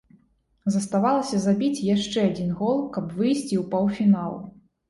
Заставалася забіць яшчэ адзін гол, каб выйсці ў паўфінал.